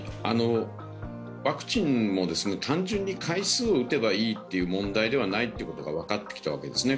ワクチンも単純に回数を打てばいいという問題ではないのが分かってきたんですね